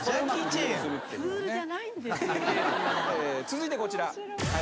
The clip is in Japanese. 続いてこちら。